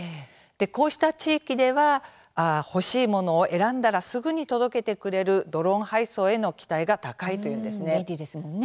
こうした地域では欲しいものを選んだら、すぐに届けてくれるドローン配送への期待が高いというんですね。